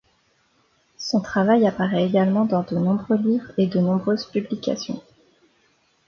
Son travail apparait également dans de nombreux livres et de nombreuses publications.